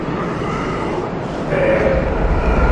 Fiir.